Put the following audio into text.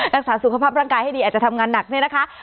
รักษาสุขภาพร่างกายให้ดีอาจจะทำงานหนักเนี่ยนะคะ